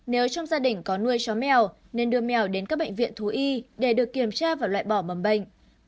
nếu trong gia đình có nuôi chó mèo nên đưa mèo đến các bệnh viện thú y để được kiểm tra và loại bỏ mầm bệnh